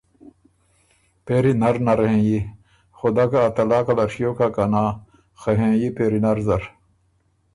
پېری نر نر هېنیی خدَۀ که ا طلاقه له ڒیوک هۀ که نا، خه هېنيی پېری نر زر۔